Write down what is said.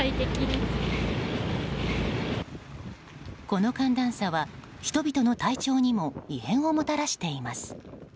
この寒暖差は人々の体調にも異変をもたらしています。